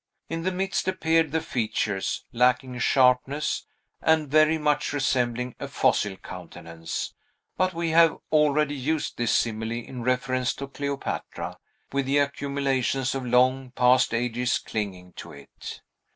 In the midst appeared the features, lacking sharpness, and very much resembling a fossil countenance, but we have already used this simile, in reference to Cleopatra, with the accumulations of long past ages clinging to it.